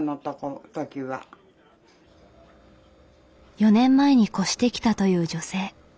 ４年前に越してきたという女性。